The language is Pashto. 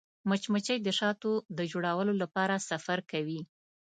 مچمچۍ د شاتو د جوړولو لپاره سفر کوي